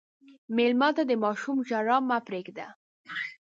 مېلمه ته د ماشوم ژړا مه پرېږده.